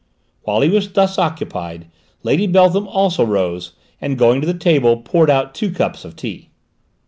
While he was thus occupied Lady Beltham also rose, and going to the table poured out two cups of tea.